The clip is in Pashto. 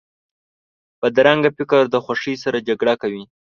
بدرنګه فکر د خوښۍ سره جګړه کوي